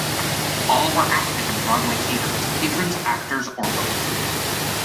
All were active in Broadway theater as patrons, actors, or both.